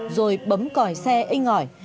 rồi bấm còi xe in ngỏi